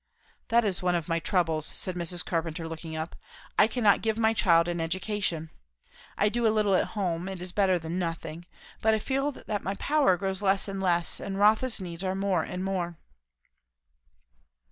"That is one of my troubles," said Mrs. Carpenter looking up. "I cannot give my child an education. I do a little at home; it is better than nothing; but I feel that my power grows less and less; and Rotha's needs are more and more."